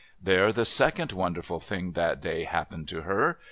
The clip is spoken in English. There the second wonderful thing that day happened to her.